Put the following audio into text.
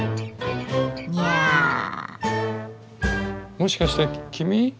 もしかして君？